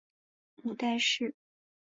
母戴氏。